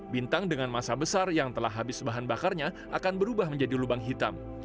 bintang dengan masa besar yang telah habis bahan bakarnya akan berubah menjadi lubang hitam